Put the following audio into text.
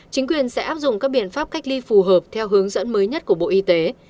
chính quyền sẽ áp dụng các biện pháp cách ly phù hợp theo hướng dẫn mới nhất của bộ y tế